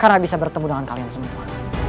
karena bisa bertemu dengan kalian semua